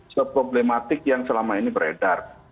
seproblematik yang selama ini beredar